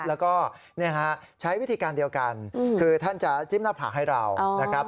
แล้วก็ใช้วิธีการเดียวกันคือท่านจะจิ้มหน้าผากให้เรานะครับ